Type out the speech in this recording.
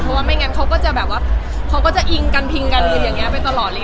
เพราะว่าไม่งั้นเขาก็จะอิงกันพิงกันอย่างนี้ไปตลอด